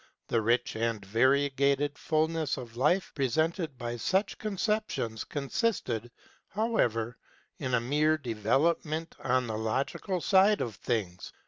The rich and variegated fulness of life presented by such conceptions 38 KNOWLEDGE AND LIFE consisted, however, in a mere development on the logical side of things.